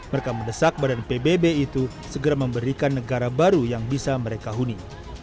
mereka mendesak badan pbb itu segera memberikan negara baru yang bisa mereka huni